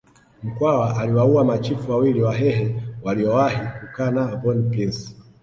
Mkwawa aliwaua machifu wawili wahehe waliowahi kukaa na von Prince